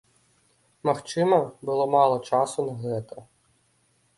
Магчыма, было мала часу на гэта.